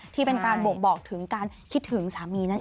ที่เป็นการบ่งบอกถึงการคิดถึงสามีนั่นเอง